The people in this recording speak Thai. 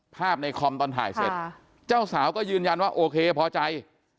ภาพในคอมตอนถ่ายเสร็จเจ้าสาวก็ยืนยันว่าโอเคพอใจ